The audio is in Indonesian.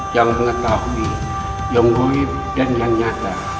yang mengetahui yang sulit dan yang nyata